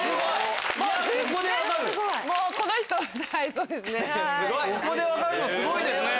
ここで分かるのすごいですね。